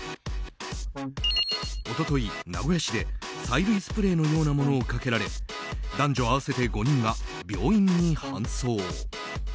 一昨日、名古屋市で催涙スプレーのようなものをかけられ男女合わせて５人が病院に搬送。